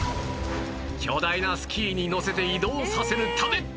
巨大なスキーに載せて移動させるため